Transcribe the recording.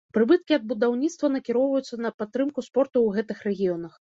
Прыбыткі ад будаўніцтва накіроўваюцца на падтрымку спорту ў гэтых рэгіёнах.